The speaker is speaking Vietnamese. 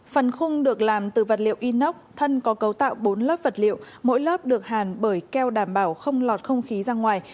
phần khung được làm từ vật liệu inox thân có cấu tạo bốn lớp vật liệu mỗi lớp được hàn bởi keo đảm bảo không lọt không khí ra ngoài